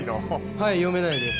はい読めないです。